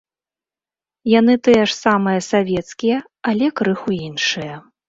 Яны тыя ж самыя савецкія, але крыху іншыя.